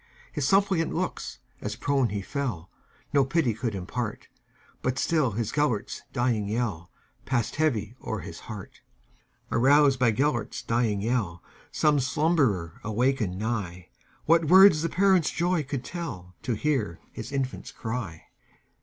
His suppliant looks, as prone he fell, No pity could impart; But still his Gêlert's dying yellPassed heavy o'er his heart. Aroused by Gêlert's dying yell, Some slumberer wakened nigh:What words the parent's joy could tellTo hear his infant's cry!